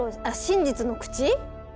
真実の口？